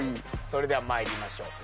それでは参りましょう。